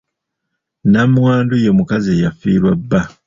Nnamwandu ye mukazi eyafiirwa bba.